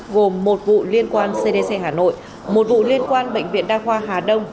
gồm một vụ liên quan cdc hà nội một vụ liên quan bệnh viện đa khoa hà đông